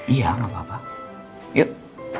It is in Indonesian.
iya gak apa apa yuk